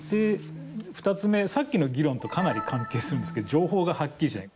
２つ目、さっきの議論とかなり関係するんですけど情報がハッキリしない。